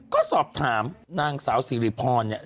ก็สอบถามนางสาวสิริพรเนี่ย